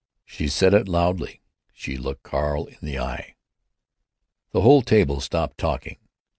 She said it loudly. She looked Carl in the eye. The whole table stopped talking.